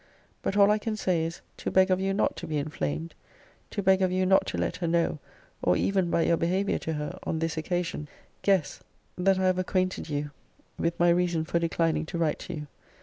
But all I can say is, to beg of you not to be inflamed: to beg of you not to let her know, or even by your behaviour to her, on this occasion, guess, that I have acquainted you with my reason for declining to write to you.